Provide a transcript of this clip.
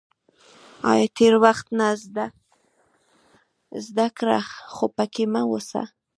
• له تېر وخت نه زده کړه، خو پکې مه اوسه.